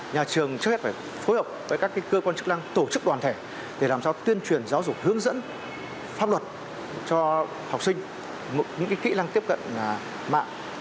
nhà trường trước hết phải phối hợp với các cơ quan chức năng tổ chức đoàn thể để làm sao tuyên truyền giáo dục hướng dẫn pháp luật cho học sinh những kỹ năng tiếp cận mạng